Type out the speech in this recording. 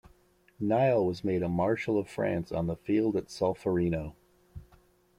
Niel was made a marshal of France on the field at Solferino.